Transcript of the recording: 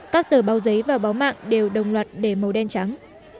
các tờ báo giấy và báo mạng đều đồng loạt để màu đen trắng